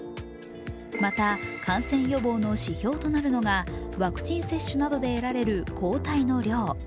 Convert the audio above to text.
また感染予防の指標となるのがワクチン接種などで得られる抗体の量。